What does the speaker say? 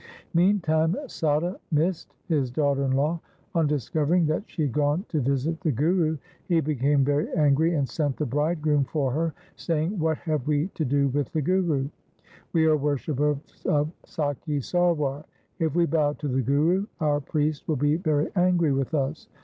Meantime Sada missed his daughter in law. On discovering that she had gone to visit the Guru, he became very angry and sent the bridegroom for her, saying, ' What have we to do with the Guru ? We are worshippers of Sakhi Sarwar. If we bow to the Guru, our priest will be very angry with us.